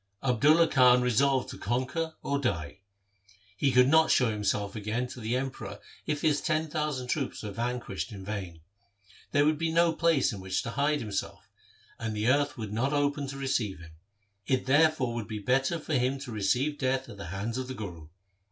Abdulla Khan resolved to con quer or die. He could not show himself again to the Emperor if his ten thousand troops were vanquished in vain. There would be no place in which to hide himself, and the earth would not open to receive him. It therefore would be better for him to receive death at the hands of the Guru.